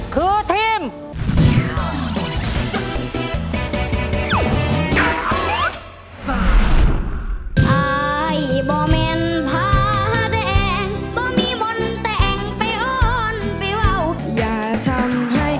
คือทีม